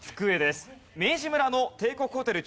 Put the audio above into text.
明治村の帝国ホテル